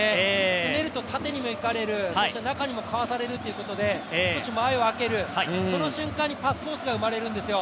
詰めると縦にいかれる中にもかわされるということで少し前を開ける、その瞬間にパスコースができるんですよ。